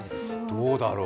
どうだろう？